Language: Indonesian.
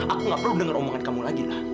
aku enggak perlu dengar omongan kamu lagi lara